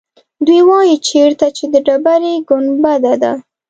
دوی وایيچېرته چې د ډبرې ګنبده ده.